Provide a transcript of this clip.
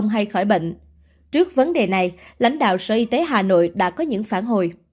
hay khỏi bệnh trước vấn đề này lãnh đạo sở y tế hà nội đã có những phản hồi